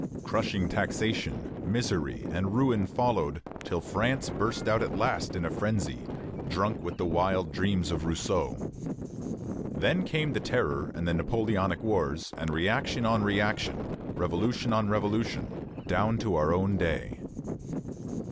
Crushing taxation, misery, and ruin followed, till France burst out at last in a frenzy, drunk with the wild dreams of Rousseau. Then came the Terror and the Napoleonic wars, and reaction on reaction, revolution on revolution, down to our own day.